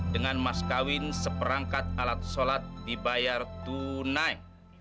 dengan mas kawin seperangkat alat sholat dibayar tunai